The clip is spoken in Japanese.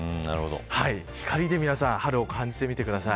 光で春を感じてみてください。